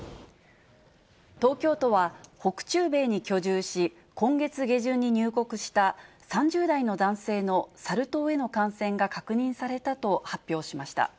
東京都は、北中米に居住し、今月下旬に入国した３０代の男性のサル痘への感染が確認されたと発表しました。